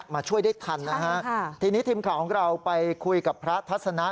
มาช่วยได้ทันนะฮะทีนี้ทีมข่าวของเราไปคุยกับพระทัศนะ